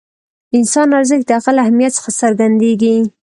د انسان ارزښت د هغه له اهمیت څخه څرګندېږي.